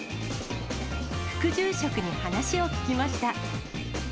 副住職に話を聞きました。